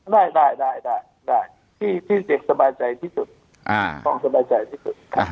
ได้ได้ที่เด็กสบายใจที่สุดความสบายใจที่สุด